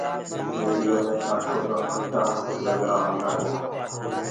ريڙهيو مي ڪآٺو ڪآ ڦٽآ ڪگرآ هوندآ هينٚ۔